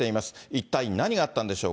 一体何があったんでしょう。